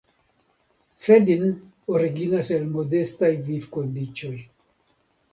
Fedin originas el modestaj vivkondiĉoj.